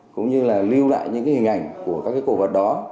cũng như là lưu lại những hình ảnh của các cổ vật đó